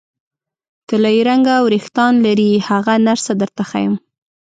طلايي رنګه وریښتان لري، هغه نرسه درته ښیم.